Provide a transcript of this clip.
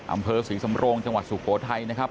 อำเภอศรีสำโรงจังหวัดสุโขทัยนะครับ